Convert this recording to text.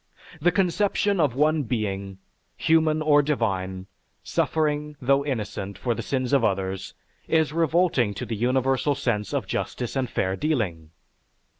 The conception of one being, human or divine, suffering, though innocent, for the sins of others, is revolting to the universal sense of justice and fair dealing.